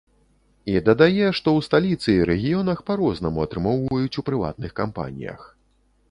І дадае, што ў сталіцы і рэгіёнах па рознаму атрымоўваюць у прыватных кампаніях.